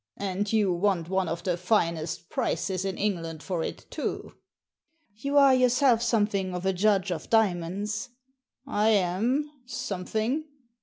And you want one of the finest prices in England for it too ?" "You are yourself something of a judge of dia monds." " I am — something."